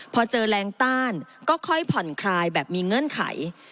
พอเจอแรงต้านก็ค่อยผ่อนคลายแบบมีเงื่อนไข